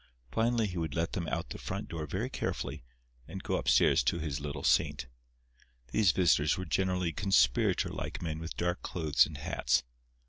Finally he would let them out the front door very carefully, and go upstairs to his little saint. These visitors were generally conspirator like men with dark clothes and hats.